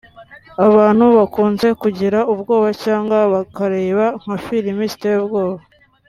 Abantu bakunze kugira ubwoba cyangwa bakareba nka filime ziteye ubwoba